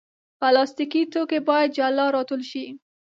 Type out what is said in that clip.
پلاستيکي توکي باید جلا راټول شي.